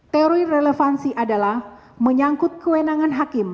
teori relevansi adalah menyangkut kewenangan hakim